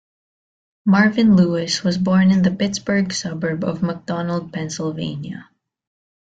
Marvin Lewis was born in the Pittsburgh suburb of McDonald, Pennsylvania.